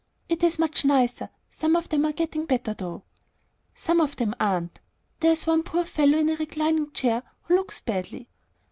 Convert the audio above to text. "It is much nicer. Some of them are getting better, though." "Some of them aren't. There's one poor fellow in a reclining chair who looks badly."